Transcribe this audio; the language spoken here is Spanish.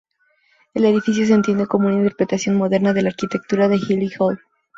El edificio se entiende como una interpretación moderna de la arquitectura de Healy Hall.